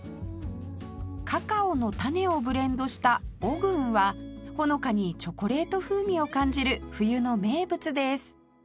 カカオの種をブレンドしたオグンはほのかにチョコレート風味を感じる冬の名物です